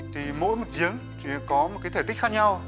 thì mỗi mực giếng chỉ có một cái thể tích khác nhau